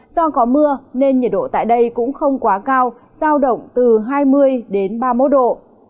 do có mưa nên nhiệt độ tại đây cũng không quá cao giao động từ hai mươi đến ba mươi một độ